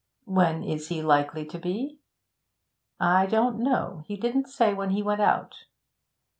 'When is he likely to be?' 'I don't know. He didn't say when he went out.'